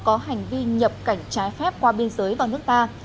có hành vi nhập cảnh trái phép qua biên giới vào nước ta